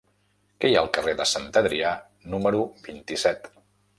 Què hi ha al carrer de Sant Adrià número vint-i-set?